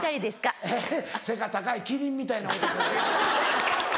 背が高いキリンみたいな男や。